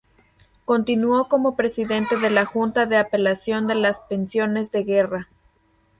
Continuó como presidente de la Junta de Apelación de las pensiones de guerra.